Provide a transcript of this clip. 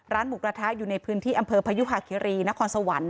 หมูกระทะอยู่ในพื้นที่อำเภอพยุหาคิรีนครสวรรค์